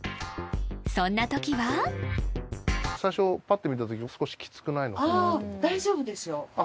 そんなときは最初パッて見たとき少しきつくないのかな大丈夫ですよあっ